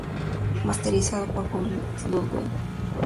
Masterizado por Bob Ludwig.